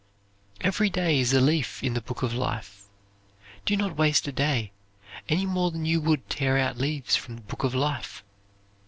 Every day is a leaf in the book of life. Do not waste a day any more than you would tear out leaves from the book of life.